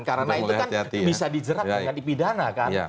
karena itu kan bisa dijeratkan di pidana kan